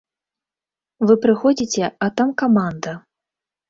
Вы прыходзіце, а там каманда.